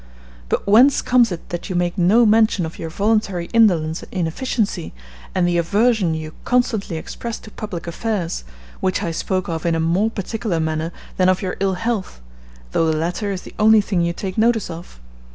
But whence comes it that you make no mention of your voluntary indolence and inefficiency, and the aversion you constantly express to public affairs, which I spoke of in a more particular manner than of your ill health, though the latter is the only thing you take notice of?